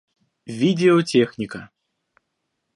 Видеотехника